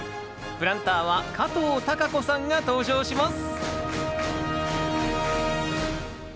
プランターは加藤貴子さんが登場します